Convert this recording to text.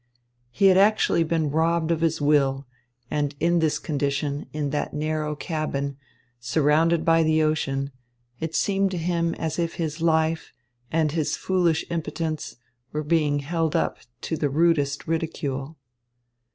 He had actually been robbed of his will; and in this condition, in that narrow cabin, surrounded by the ocean, it seemed to him as if his life, and his foolish impotence, were being held up to the rudest ridicule.